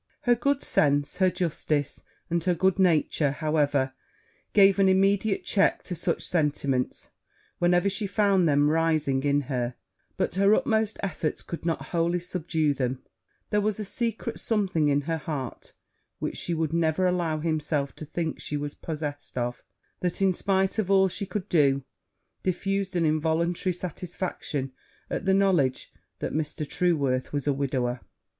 Her good sense, her justice, and her good nature, however, gave an immediate check to such sentiments whenever she found them rising in her; but her utmost efforts could not wholly subdue them: there was a secret something in her heart which she would never allow herself to think she was possessed of, that, in spite of all she could do, diffused an involuntary satisfaction at the knowledge that Mr. Trueworth was a widower.